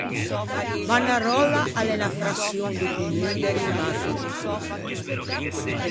Manaròlla a l’é unna fraçion do Commun de Rimazzô.